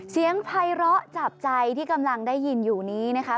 เสียงภัยร้อจับใจที่กำลังได้ยินอยู่นี้นะคะ